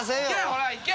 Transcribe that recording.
ほら行け！